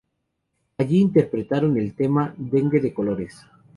Allí interpretaron el tema "Dengue de Colores".